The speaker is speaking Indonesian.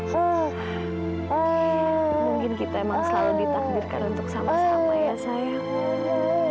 hmm mungkin kita emang selalu ditakdirkan untuk sama sama ya saya